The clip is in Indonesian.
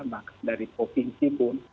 bahkan dari provinsi pun